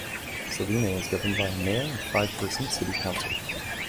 Salina is governed by a Mayor and five-person City Council.